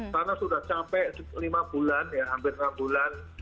karena sudah sampai lima bulan ya hampir enam bulan